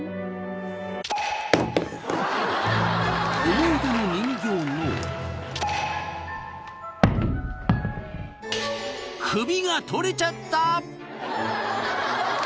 思い出の人形の首が取れちゃった！